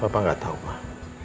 pak pak nggak tahu pak